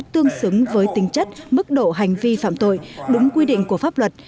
tương xứng với tính chất mức độ hành vi phạm tội đúng quy định của pháp luật